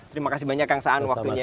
terima kasih banyak kang saan waktunya